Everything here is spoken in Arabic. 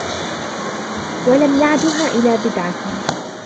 وَلَمْ يَعْدُهَا إلَى بِدْعَةٍ